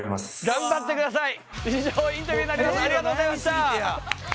頑張ってください！